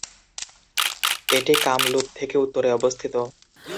এটি কামলুপ থেকে উত্তরে অবস্থিত।